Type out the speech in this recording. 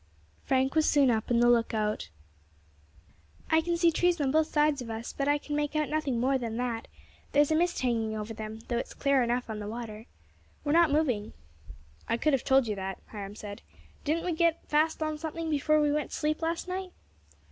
Frank was soon up in the lookout. "I can see trees on both sides of us, but I can make out nothing more than that; there's a mist hanging over them, though it's clear enough on the water. We are not moving." "I could have told you that," Hiram said, "didn't we get fast on something before we went to sleep last night?"